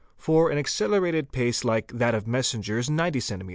for an accelerated pace like that of messengers 90 cms.